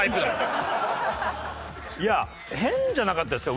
いや変じゃなかったですか？